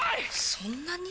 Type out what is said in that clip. そんなに！？